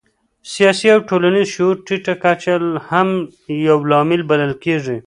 سیاسي او ټولنیز شعور ټیټه کچه هم یو لامل بلل کېږي.